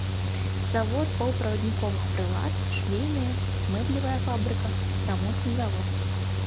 Завод паўправадніковых прылад, швейная, мэблевая фабрыка, рамонтны завод.